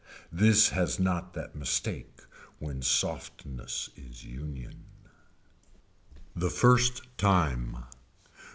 This has not that mistake when softness is union. The first time.